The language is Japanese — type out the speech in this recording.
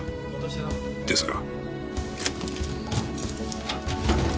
ですが。